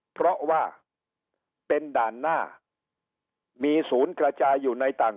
เพราะว่าเป็นด่านหน้ามีศูนย์กระจายอยู่ในต่าง